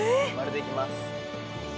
○でいきます。